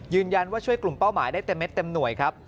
ช่วยกลุ่มเป้าหมายได้เต็มเม็ดเต็มหน่วยครับ